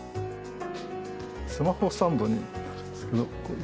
スマホスタンドになるんですけどこういう。